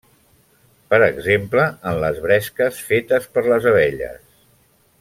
Per exemple, en les bresques fetes per les abelles.